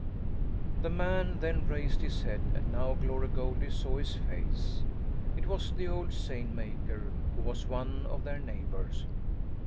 The man then raised his head, and now Glory Goldie saw his face. It was the old seine maker, who was one of their neighbours.